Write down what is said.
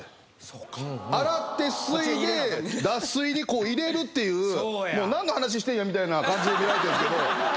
洗ってすすいで脱水にこう入れるっていうもう何の話してるんやみたいな感じで見られてるんすけど。